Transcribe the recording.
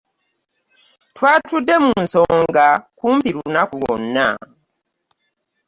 Twatudde mu nsonga kumpi lunaku lwonna.